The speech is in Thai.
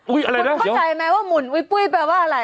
อุ้ยอะไรแล้วเดี๋ยวคุณเข้าใจไหมว่าหมุนอุ้ยปุ้ยแปลว่าอะไร